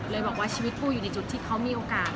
บอกว่าชีวิตปูอยู่ในจุดที่เขามีโอกาส